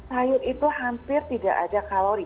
sayur itu hampir tidak ada kalori